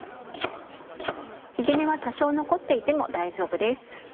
ひげ根は多少残っていても大丈夫です。